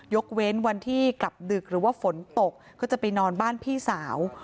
เว้นวันที่กลับดึกหรือว่าฝนตกก็จะไปนอนบ้านพี่สาว